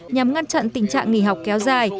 nhằm ngăn chặn tình trạng nghỉ học kéo dài